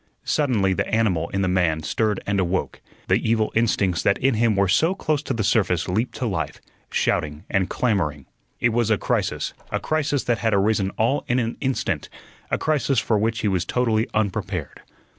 Suddenly the animal in the man stirred and woke; the evil instincts that in him were so close to the surface leaped to life, shouting and clamoring. It was a crisis a crisis that had arisen all in an instant; a crisis for which he was totally unprepared.